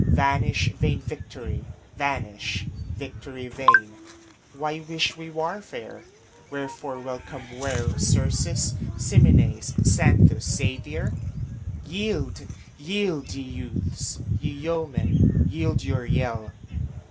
Vanish vain victory! vanish, victory vain! Why wish we warfare? Wherefore welcome were Xerxes, Ximenes, Xanthus, Xavier? Yield, yield, ye youths! ye yeomen, yield your yell!